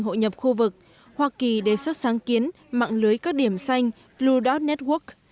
hội nhập khu vực hoa kỳ đề xuất sáng kiến mạng lưới các điểm xanh blue dot network